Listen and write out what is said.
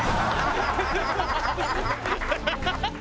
ハハハハ！